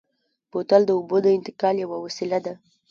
بوتل د اوبو د انتقال یوه وسیله ده.